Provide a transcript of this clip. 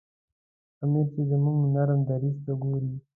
امیر چې زموږ نرم دریځ ته ګوري.